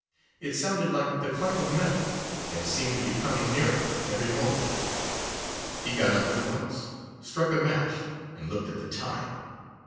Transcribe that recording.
It sounded like the clank of metal, and seemed to be coming nearer every moment. He got up at once, struck a match, and looked at the time.